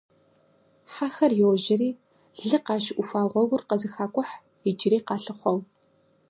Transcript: Хьэхэр йожьэри лы къащыӀухуа гъуэгур къызэхакӀухь, иджыри къалъыхъуэу.